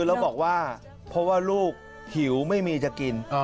แล้วบอกว่าเพราะว่าลูกหิวไม่มีจะกิน